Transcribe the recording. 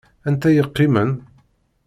Anta i yeqqimen?